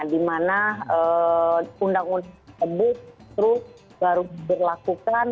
dimana undang undang yang tersebut baru berlaku